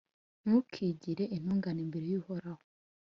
Ntukigire intungane imbere y’Uhoraho,